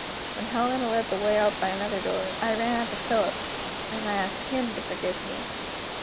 When Helena led the way out by another door, I ran after Philip; and I asked him to forgive me.